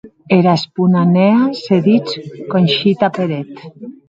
Era esponanèa se dits Conxita Peret.